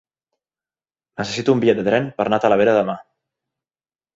Necessito un bitllet de tren per anar a Talavera demà.